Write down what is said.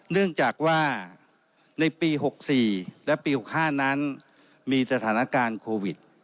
เนื่องจากว่าในปี๖๔และปี๖๕นั้นมีสถานการณ์โควิด